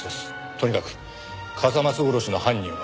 とにかく笠松殺しの犯人は黒岩。